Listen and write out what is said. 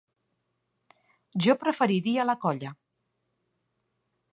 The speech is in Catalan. Jo preferia la colla.